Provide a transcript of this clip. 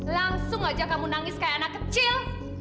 langsung aja kamu nangis kayak anak kecil